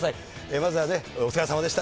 まずはお疲れさまでした。